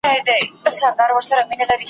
نر اوښځي ټول له وهمه رېږدېدله `